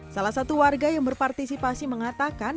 salah satu warga yang berpartisipasi mengatakan